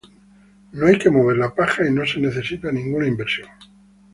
No hay que mover la paja y no se necesita ninguna inversión.